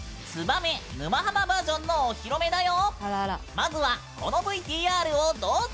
まずはこのＶＴＲをどうぞ！